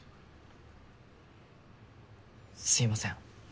すいません